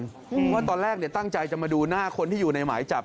เพราะว่าตอนแรกตั้งใจจะมาดูหน้าคนที่อยู่ในหมายจับ